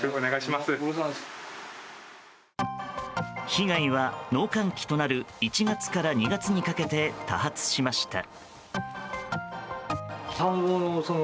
被害は、農閑期となる１月から２月にかけて多発しました。